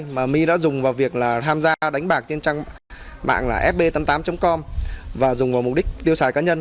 mà my đã dùng vào việc là tham gia đánh bạc trên trang mạng là fb tám mươi tám com và dùng vào mục đích tiêu xài cá nhân